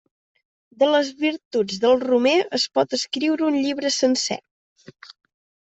De les virtuts del romer es pot escriure un llibre sencer.